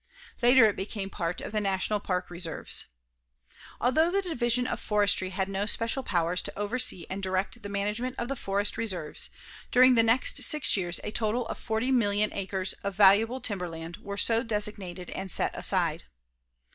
Later it became part of the National Park reserves. Although the Division of Forestry had no special powers to oversee and direct the management of the forest reserves, during the next six years a total of 40,000,000 acres of valuable timberland were so designated and set aside.